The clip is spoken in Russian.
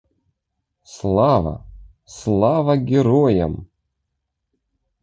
Слава, Слава героям!!!